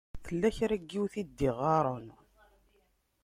Tella kra n yiwet i d-iɣaṛen.